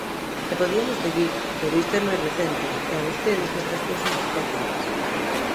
E podiamos seguir, pero isto é moi recente, e a votedes estas cousas esquécenlles.